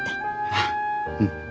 ああうん。